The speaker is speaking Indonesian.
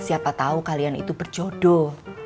siapa tahu kalian itu berjodoh